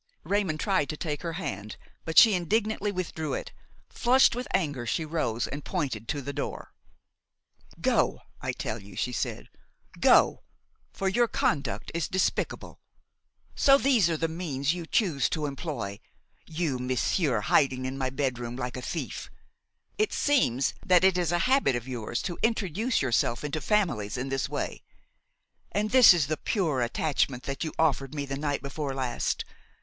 Raymon tried to take her hand; but she indignantly withdrew it. Flushed with anger, she rose and pointed to the door. "Go, I tell you!" she said; "go, for your conduct is despicable. So these are the means you chose to employ! you, monsieur, hiding in my bedroom, like a thief! It seems that it is a habit of yours to introduce yourself into families in this way! and this is the pure attachment that you offered me the night before last!